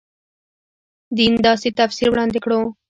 دین داسې تفسیر وړاندې کړو.